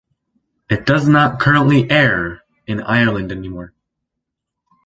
It does not currently air in Ireland any more.